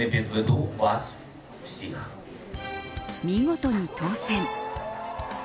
見事に当選。